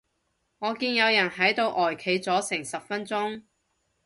我見有人喺度呆企咗成十分鐘